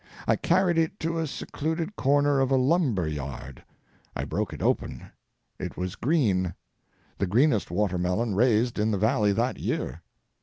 I carried it to a secluded corner of a lumber yard. I broke it open. It was green—the greenest watermelon raised in the valley that year.